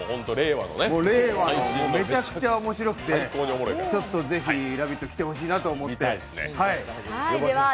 令和の、めちゃくちゃ面白くてちょとｔぜひ「ラヴィット！」、来てほしいなと思いまして。